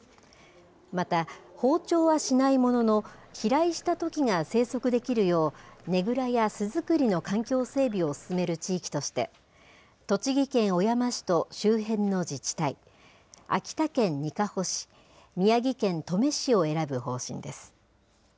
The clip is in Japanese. また、放鳥はしないものの、飛来したトキが生息できるよう、ねぐらや巣作りの環境整備を進める地域として、栃木県小山市と周辺の自治体、秋田県にかほ市、宮城県登米市を選ぶ方針です。